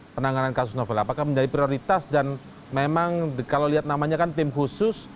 penanganan kasus novel apakah menjadi prioritas dan memang kalau lihat namanya kan tim khusus